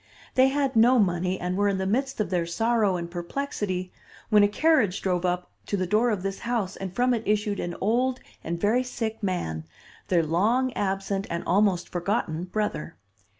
They had no money, and were in the midst of their sorrow and perplexity, when a carriage drove up to the door of this house and from it issued an old and very sick man, their long absent and almost forgotten brother.